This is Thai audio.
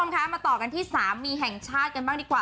เราต่อกันที่๓มีแห่งชาติกันบ้างดีกว่า